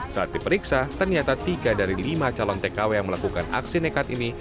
saat diperiksa ternyata tiga dari lima calon tkw yang melakukan aksi nekat ini